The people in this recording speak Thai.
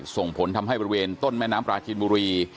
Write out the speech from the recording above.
ส่งผลทำให้บริเวณต้นแม่น้ำปลาจีนบุรี